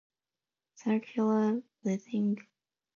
Circular breathing is an important part of the playing of the instrument.